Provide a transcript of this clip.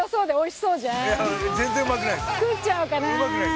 全然うまくない。